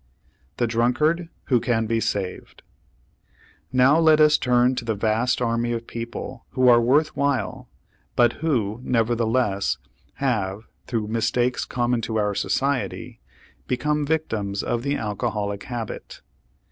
THE DRUNKARD WHO CAN BE SAVED Now let us turn to the vast army of people who are worth while, but who, nevertheless, have, through mistakes common to our society, become victims of the alcoholic habit.